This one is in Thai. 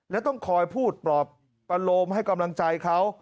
และต้องคอยพูดปลอบประโลมให้กำลังใจเขา